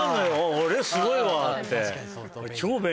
あれすごいわって。